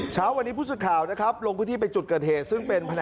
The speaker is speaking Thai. เช้าวันนี้พูดสุดข่าวนะครับโรงพยาบาลที่ไปจุดเกิดเหตุ